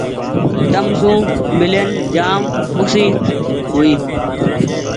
تم سون مي لين جآم کوشي هوئي ۔